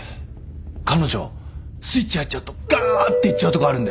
彼女スイッチ入っちゃうとがっていっちゃうとこあるんで。